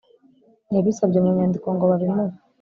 yabisabye mu nyandiko ngo babimuhe